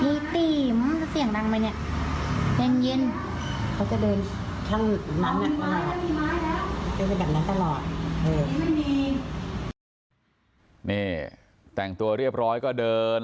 เดินไปแบบนั้นตลอดนี่แต่งตัวเรียบร้อยก็เดิน